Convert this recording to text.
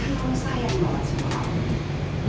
nggak usah ya di mawak semua